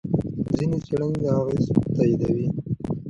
ځینې څېړنې دا اغېز تاییدوي.